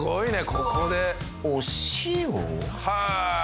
ここでお塩？